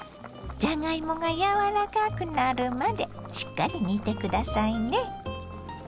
じゃがいもが柔らかくなるまでしっかり煮て下さいね。